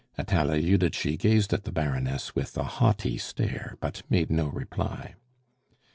Atala Judici gazed at the Baroness with a haughty stare, but made no reply.